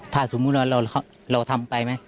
ถ้าสมมุติว่าเราทำไปไหม